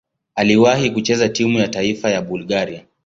Aliwahi kucheza timu ya taifa ya Bulgaria.